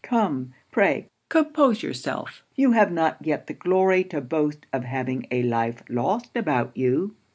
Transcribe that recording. Come, pray compose yourself you have not yet the glory to boast of having a life lost about you.'